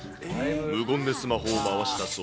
無言でスマホを回したそう。